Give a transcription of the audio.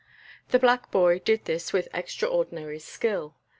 The black boy did this with extraordinary skill.